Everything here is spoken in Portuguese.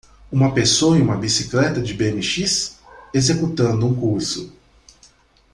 Uma pessoa em uma bicicleta de bmx? executando um curso.